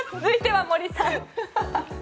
続いては森さん。